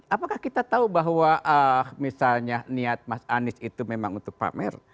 apakah kita tahu bahwa misalnya niat mas anies itu memang untuk pamer